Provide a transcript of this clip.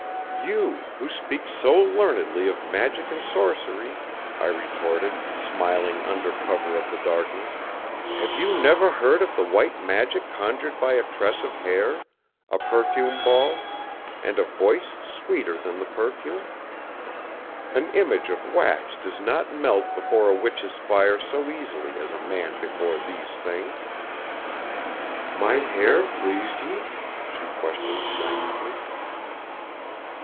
"You, who speak so learnedly of magic and sorcery," I retorted, smiling under cover of the darkness, "have you never heard of the white magic conjured by a tress of hair, a perfume ball, and a voice sweeter than the perfume? An image of wax does not melt before a witch's fire so easily as a man before these things." "My hair pleased you?" she questioned naïvely.